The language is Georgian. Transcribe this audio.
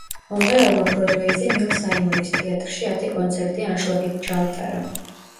მომღერალმა ბროდვეიზე ნილ საიმონის თეატრში ათი კონცერტი ანშლაგით ჩაატარა.